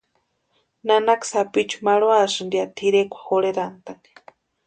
Nanaka sapichu marhuasïnti ya tʼirekwa jorherhantani.